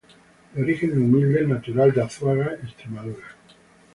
De orígenes humildes, natural de Azuaga, Extremadura.